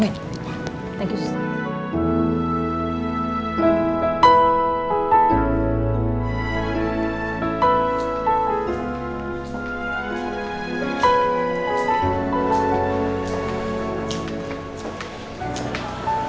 mas kamu sudah pulang